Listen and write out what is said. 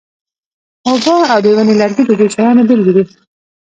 اوبه او د ونې لرګي د دې شیانو بیلګې دي.